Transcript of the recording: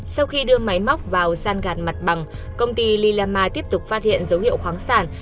sau khi đưa máy móc vào san gạt mặt bằng công ty lilama tiếp tục phát hiện dấu hiệu khoáng sản